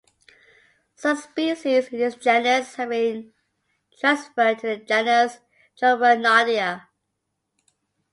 Some species in this genus have been transferred to the genus "Julbernardia".